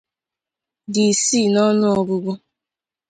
dị isii n'ọnụ ọgụgụ